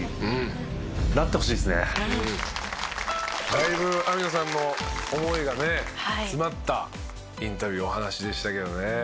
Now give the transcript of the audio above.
だいぶ網野さんの思いがね詰まったインタビューお話でしたけどね。